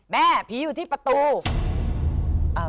แม่ผีอยู่ที่ประตู